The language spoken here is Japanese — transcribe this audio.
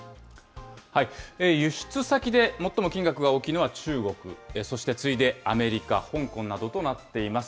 輸出先で最も金額が大きいのは中国、そして次いでアメリカ、香港などとなっています。